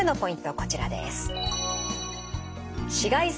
こちらです。